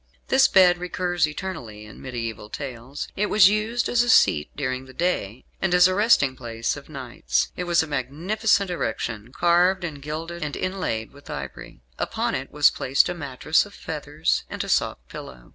This bed recurs eternally in mediæval tales. It was used as a seat during the day, and as a resting place of nights. It was a magnificent erection, carved and gilded, and inlaid with ivory. Upon it was placed a mattress of feathers, and a soft pillow.